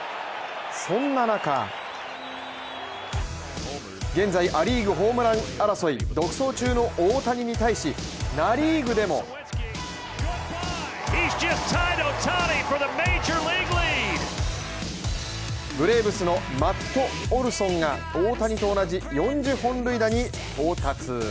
そんな中現在ア・リーグホームラン王争い独走中の大谷に対し、ナ・リーグでもブレーブスのマット・オルソンが大谷と同じ４０本塁打に到達。